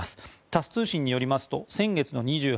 タス通信によりますと先月２８日